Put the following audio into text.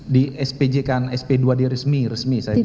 di spj kan sp dua di resmi resmi saya bicara